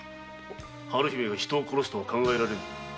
春姫が人を殺すとは考えられぬ。